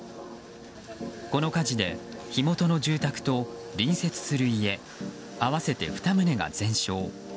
この火事で火元の住宅と隣接する家合わせて２棟が全焼。